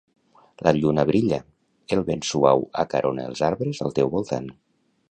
La lluna brilla, el vent suau acarona els arbres al teu voltant.